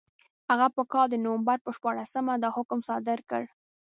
هغه په کال د نومبر په شپاړسمه دا حکم صادر کړ.